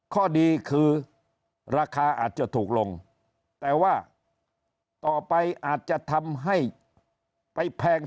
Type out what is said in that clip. ข้อดีคือราคาอาจจะถูกลงแต่ว่าต่อไปอาจจะทำให้ไปแพง